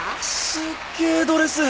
すっげえドレス！